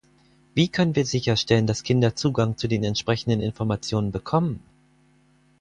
Wie können wir sicherstellen, dass Kinder Zugang zu den entsprechenden Informationen bekommen?